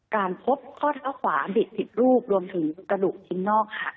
การพบข้อเท้าขวาบิดผิดรูปรวมถึงกระดูกชิ้นนอกค่ะ